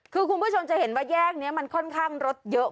คือคุณผู้ชมจะเห็นว่าแยกนี้มันค่อนข้างรถเยอะ